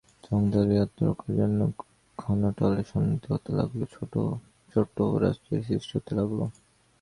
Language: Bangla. সমতলবাসীরা আত্মরক্ষার জন্য ঘনদলে সন্নিবিষ্ট হতে লাগল, ছোট ছোট রাজ্যের সৃষ্টি হতে লাগল।